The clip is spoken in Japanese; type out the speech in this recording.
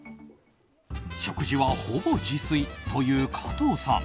食事はほぼ自炊という加藤さん。